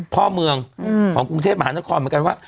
พ่อเมืองของกรุงเทพมหานครเหมือนกันว่า